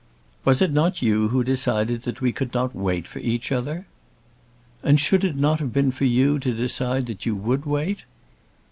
"Was it not you who decided that we could not wait for each other?" "And should it not have been for you to decide that you would wait?"